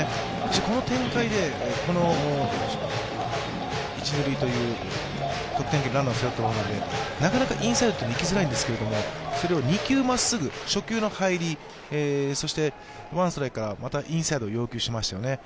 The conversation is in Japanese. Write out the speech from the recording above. この展開でこの一・二塁という得点圏にランナーを背負ってなかなかインサイドというのはいきにくいんですけれども、それを２球まっすぐ、初球の入り、そしてワンストライクからまたインサイドを要求しましたよね。